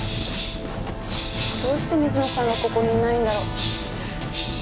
どうして水野さんはここにいないんだろう。